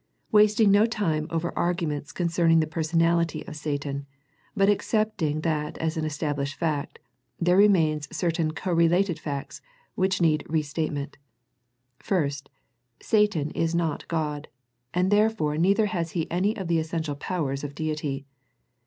Wasting no time over arguments concerning the personality of Satan, but ac cepting that as an established fact, there re mains certain co related facts which need re statement. First, Satan is not God, and there fore neither has he any of the essential powers of Deity.